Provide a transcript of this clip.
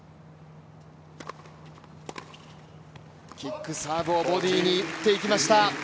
キックサーブをボディーに打っていきました。